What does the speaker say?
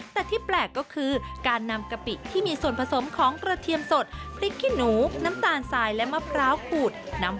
แต่ที่แปลกก็คือการนำกะปิที่มีส่วนผสมของกระเทียมสด